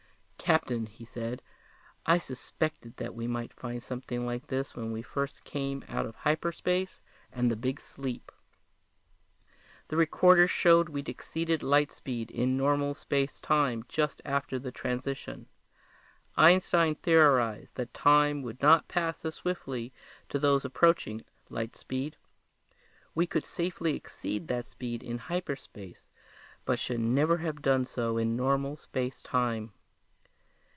"Captain," he said, "I suspected that we might find something like this when we first came out of hyperspace and the big sleep. The recorders showed we'd exceeded light speed in normal space time just after the transition. Einstein theorized that time would not pass as swiftly to those approaching light speed. We could safely exceed that speed in hyperspace but should never have done so in normal space time.